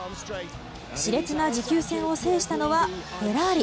熾烈な持久戦を制したのはフェラーリ。